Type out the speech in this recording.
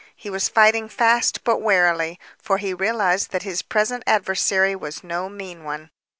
He was fighting fast but warily, for he realized that his present adversary was no mean one.